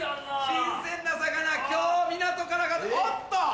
新鮮な魚今日港から揚がったおっと！